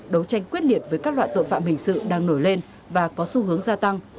đấu tranh quyết liệt với các loại tội phạm hình sự đang nổi lên và có xu hướng gia tăng